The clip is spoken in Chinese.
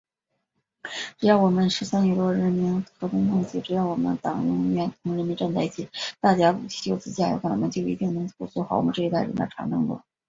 只要我们十三亿多人民和衷共济，只要我们党永远同人民站在一起，大家撸起袖子加油干，我们就一定能够走好我们这一代人的长征路。